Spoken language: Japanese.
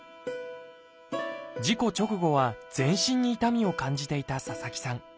事故直後は全身に痛みを感じていた佐々木さん。